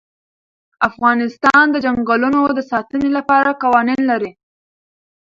افغانستان د چنګلونه د ساتنې لپاره قوانین لري.